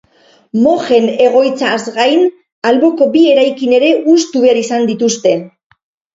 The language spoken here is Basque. Mojen egoitzaz gain, alboko bi erakin ere hustu behar izan dituzte.